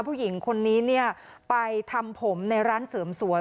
ผู้หญิงคนนี้เนี่ยไปทำผมในร้านเสริมสวย